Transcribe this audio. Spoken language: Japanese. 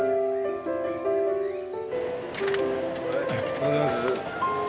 おはようございます。